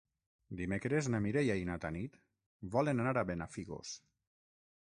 Dimecres na Mireia i na Tanit volen anar a Benafigos.